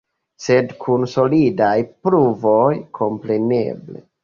Sed kun solidaj pruvoj, kompreneble.